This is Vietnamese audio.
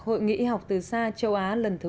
hội nghị y học từ xa châu á lần thứ một mươi